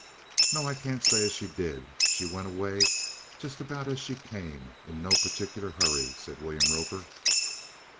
"No. I can't say as she did. She went away just about as she came in no purtic'ler 'urry," said William Roper.